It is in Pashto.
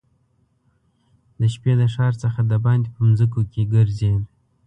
د شپې د ښار څخه دباندي په مځکو کې ګرځېد.